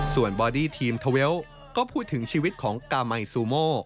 ส่วนบอดี้ทีมทอเวลก็พูดถึงชีวิตของกามัยซูโม